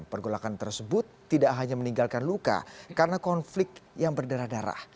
pergolakan tersebut tidak hanya meninggalkan luka karena konflik yang berdarah darah